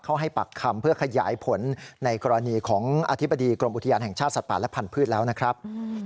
ให้ปักคำเพื่อขยายผลในกรณีของอธิบดีกรมอุทยานแห่งชาติสัตว์ป่าและพันธุ์แล้วนะครับ